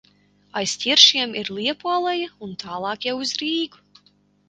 Aiz ķiršiem ir liepu aleja un tālāk jau uz Rīgu.